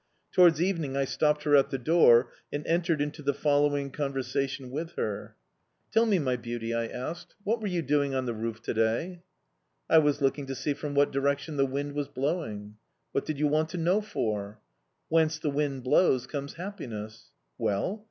Towards evening I stopped her at the door and entered into the following conversation with her. "Tell me, my beauty," I asked, "what were you doing on the roof to day?" "I was looking to see from what direction the wind was blowing." "What did you want to know for?" "Whence the wind blows comes happiness." "Well?